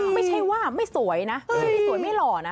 ไม่ใช่ว่าไม่สวยนะไม่ใช่ไม่สวยไม่หล่อนะ